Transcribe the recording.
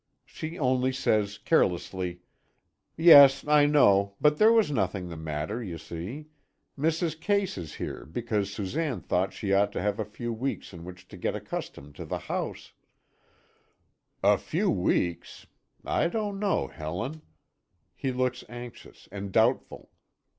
She only says carelessly: "Yes, I know, but there was nothing the matter, you see. Mrs. Case is here because Susanne thought she ought to have a few weeks in which to get accustomed to the house " "A few weeks I don't know, Helen " He looks anxious and doubtful.